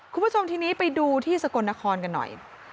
คุณผู้ชมทีนี้ไปดูที่สกลนครกันหน่อย